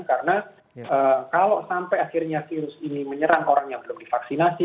karena kalau sampai akhirnya virus ini menyerang orang yang belum divaksinasi